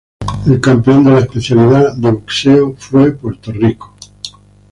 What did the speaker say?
El campeón de la especialidad Boxeo fue Puerto Rico.